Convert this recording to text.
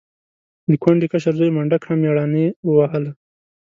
د کونډې کشر زوی منډک هم مېړانې ووهله.